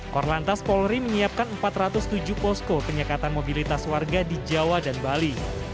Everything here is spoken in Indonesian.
korlantas polri menyiapkan empat ratus tujuh posko penyekatan mobilitas warga di jawa dan bali